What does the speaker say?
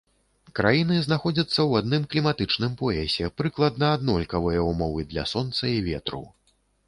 Краіны знаходзяцца ў адным кліматычным поясе, прыкладна аднолькавыя ўмовы для сонца і ветру.